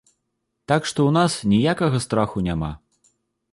Так што ў нас ніякага страху няма.